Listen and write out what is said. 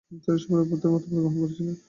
তিনি সম্পূর্ণরূপে বুদ্ধের মতবাদ গ্রহণ করেছিলেন।